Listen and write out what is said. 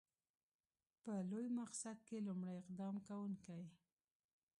په لوی مقصد کې لومړی اقدام کوونکی.